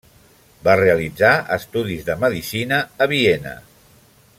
Va realitzar estudis de medicina a Viena.